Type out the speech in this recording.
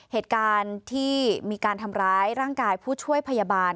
เหตุการณ์ที่มีการทำร้ายร่างกายผู้ช่วยพยาบาล